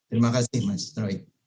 terima kasih mas troy